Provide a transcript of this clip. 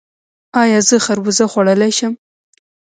ایا زه خربوزه خوړلی شم؟